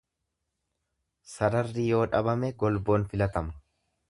Sararri yoo dhabame golboon filatama.